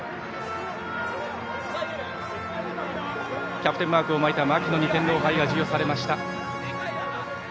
キャプテンマークを巻いた槙野に天皇杯が授与されました。